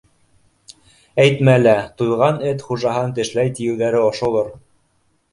— Әйтмә лә, туйған эт хужаһын тешләй тиеүҙәре ошолор.